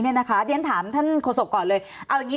เดี๋ยวฉันถามท่านโคศกก่อนเลย